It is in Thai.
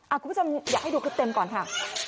คุณผู้ชมอยากให้ดูคลิปเต็มก่อนค่ะ